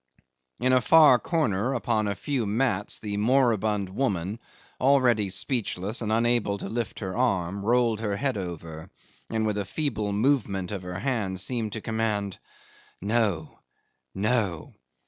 In a far corner upon a few mats the moribund woman, already speechless and unable to lift her arm, rolled her head over, and with a feeble movement of her hand seemed to command "No! No!"